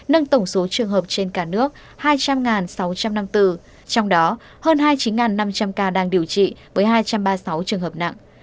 nâng tổng số trường hợp trên cả nước hai trăm linh sáu trăm năm mươi bốn trong đó hơn hai mươi chín năm trăm linh ca đang điều trị với hai trăm ba mươi sáu trường hợp nặng